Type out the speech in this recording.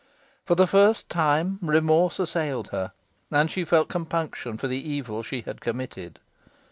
For the first time remorse assailed her, and she felt compunction for the evil she had committed.